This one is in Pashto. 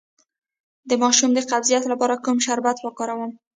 د ماشوم د قبضیت لپاره کوم شربت وکاروم؟